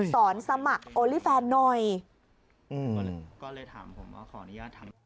สอนสมัครโอลี่แฟนหน่อย